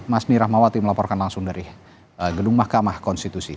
mahmawati melaporkan langsung dari gedung mahkamah konstitusi